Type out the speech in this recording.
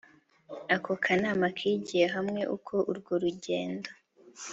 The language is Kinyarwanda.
ako kanama kigiye hamwe uko urwo rugendo